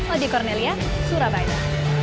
odi kornelia surabaya